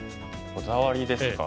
こだわりですか。